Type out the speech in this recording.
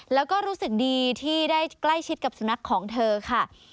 แล้วก็รู้สึกดีที่ได้ใกล้ชิดกับสุนัขของเธอค่ะ